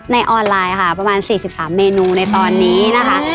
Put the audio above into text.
ออนไลน์ค่ะประมาณ๔๓เมนูในตอนนี้นะคะ